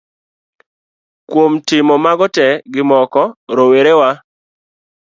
Kuom timo mago tee gi moko, rowere wa